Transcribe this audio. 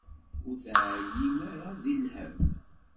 Ur teɛyim ara di lhemm?